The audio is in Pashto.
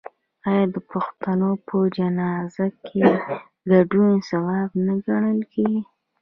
آیا د پښتنو په جنازه کې ګډون ثواب نه ګڼل کیږي؟